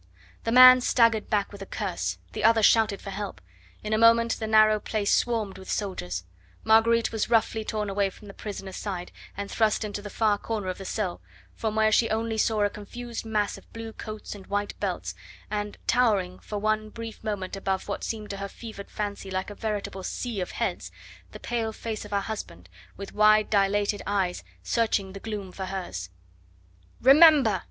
The man staggered back with a curse, the other shouted for help; in a moment the narrow place swarmed with soldiers; Marguerite was roughly torn away from the prisoner's side, and thrust into the far corner of the cell, from where she only saw a confused mass of blue coats and white belts, and towering for one brief moment above what seemed to her fevered fancy like a veritable sea of heads the pale face of her husband, with wide dilated eyes searching the gloom for hers. "Remember!"